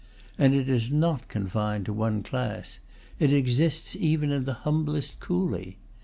And it is not confined to one class; it exists even in the humblest coolie.